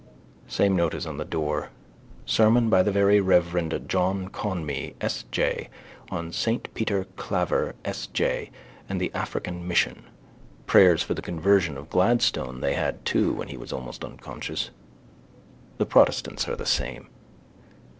Same notice on the door. Sermon by the very reverend John Conmee S. J. on saint Peter Claver S. J. and the African Mission. Prayers for the conversion of Gladstone they had too when he was almost unconscious. The protestants are the same.